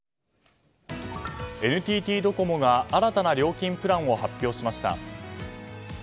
ＮＴＴドコモが新たな料金プランを発表しました。